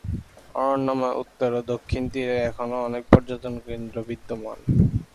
অরণ্যময় উত্তর ও দক্ষিণ তীরে এখনও অনেক পর্যটন কেন্দ্র বিদ্যমান।